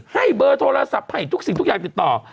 ให้เบอร์โทรศัพท์ให้ทุกสิ่งทุกอย่างติดต่อ